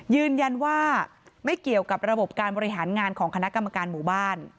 ยืนยันว่าไม่เกี่ยวกับระบบการบริหารงานของคณะกรรมการหมู่บ้าน